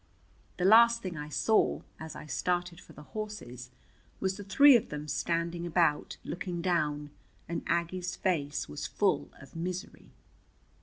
The last thing I saw, as I started for the horses, was the three of them standing about, looking down, and Aggie's face was full of misery.